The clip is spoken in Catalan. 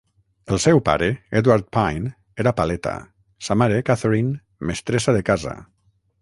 El seu pare, Edward Pyne, era paleta; sa mare, Catherine, mestressa de casa.